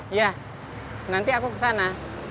iya nanti aku kesana